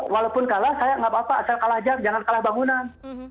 walaupun kalah saya nggak apa apa asal kalah jam jangan kalah bangunan